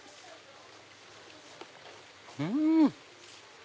うん！